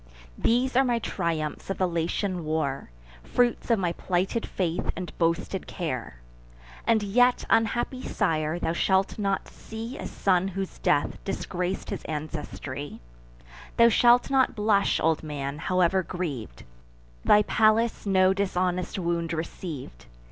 These are my triumphs of the Latian war, Fruits of my plighted faith and boasted care! And yet, unhappy sire, thou shalt not see A son whose death disgrac'd his ancestry; Thou shalt not blush, old man, however griev'd: Thy Pallas no dishonest wound receiv'd.